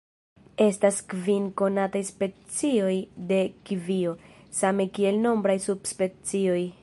Estas kvin konataj specioj de kivio, same kiel nombraj subspecioj.